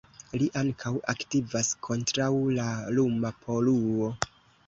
Li ankaŭ aktivas kontraŭ la luma poluo.